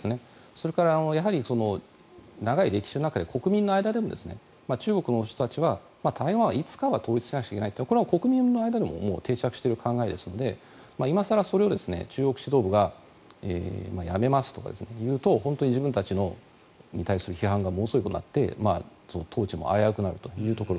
それからやはり、長い歴史の中で国民の間でも中国の人たちは台湾はいつかは統一しなくちゃいけないとこれは国民の間でも定着している考えですので今更それを中国指導部がやめますとかというと本当に自分たちに対する批判がものすごくなって統治も危うくなるというところ。